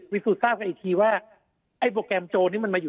พิสูจน์ทราบกันอีกทีว่าไอ้โปรแกรมโจรนี้มันมาอยู่